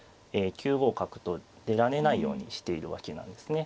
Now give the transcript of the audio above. ９五角と出られないようにしているわけなんですね。